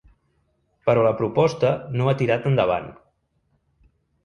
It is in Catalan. Però la proposta no ha tirat endavant.